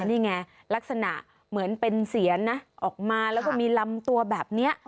นี่ไงลักษณะเหมือนเป็นเสียนนะออกมาแล้วก็มีลำตัวแบบนี้